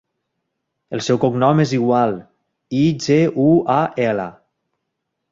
El seu cognom és Igual: i, ge, u, a, ela.